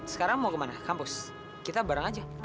sekarang mau kemana kampus kita bareng aja